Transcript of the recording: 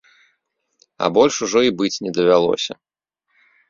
А больш ужо і быць не давялося.